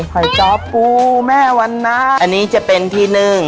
หอยจอปูแม่วันนะอันนี้จะเป็นที่หนึ่ง